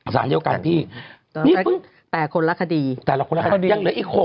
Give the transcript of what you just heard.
สารเดียวกันพี่แต่คนละคดีแต่คนละคดียังเหลืออีกหก